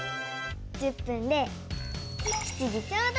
１０分で７時ちょうど！